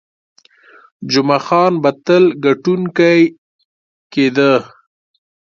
جمعه خان به تل ګټونکی کېده.